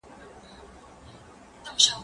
ته ولي سیر کوې!.